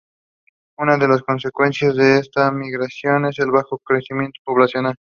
Una de las consecuencias de esta migración es el bajo crecimiento poblacional.